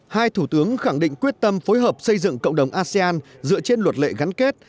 hai thủ tướng khẳng định quyết tâm phối hợp xây dựng cộng đồng asean dựa trên luật lệ gắn kết